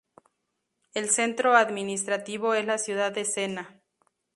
El centro administrativo es la ciudad de Senna.